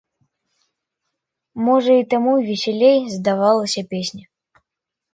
Можа, і таму весялей здавалася песня?